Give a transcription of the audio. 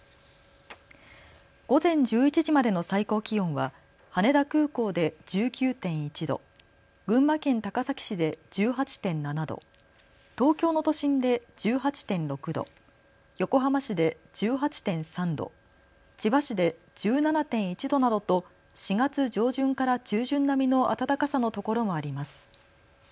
午前１１時までの最高気温は羽田空港で１９．１度、群馬県高崎市で１８．７度、東京の都心で１８．６度、横浜市で１８．３度、千葉市で１７．１度などと４月上旬から中旬並みの暖かさの所もあります。